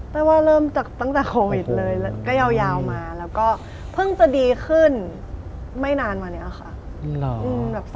ว่าเริ่มจากตั้งแต่โควิดเลยก็ยาวมาแล้วก็เพิ่งจะดีขึ้นไม่นานมานี้ค่ะ